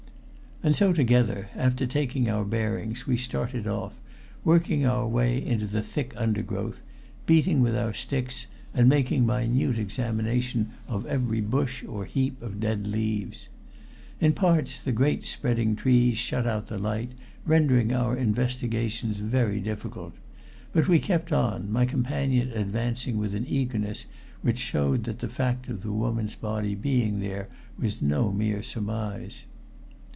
And so together, after taking our bearings, we started off, working our way into the thick undergrowth, beating with our sticks, and making minute examination of every bush or heap of dead leaves. In parts, the great spreading trees shut out the light, rendering our investigations very difficult; but we kept on, my companion advancing with an eagerness which showed that the fact of the woman's body being there was no mere surmise.